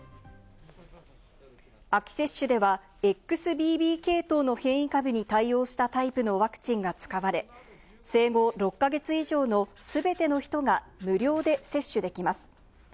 秋接種ではＸＢＢ系統の変異株に対応したタイプのワクチンが使われ、生後６か月以上の全ての人が無料で接種できます。